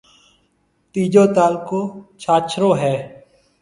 تيجو تعلقو ڇاڇرو ھيََََ